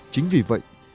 chính vì vậy